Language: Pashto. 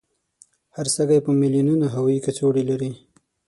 هر سږی په میلونونو هوایي کڅوړې لري.